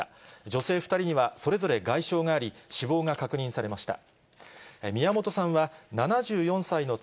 女性２人にはそれぞれ外傷があり、死亡が確認されました。